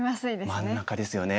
真ん中ですよね。